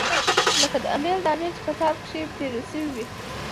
لکه د امېل دانې چې پۀ تار کښې پېرلے شوي وي